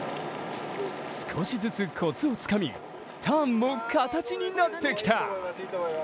少しずつコツをつかみターンも形になってきた。